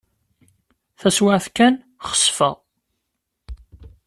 Taswiɛt kan, xesfeɣ.